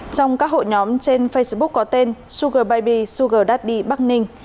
trong các hội nhóm trên facebook có tên sugar baby sugar daddy bắc ninh